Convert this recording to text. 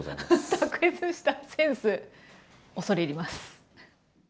卓越したセンス恐れ入ります。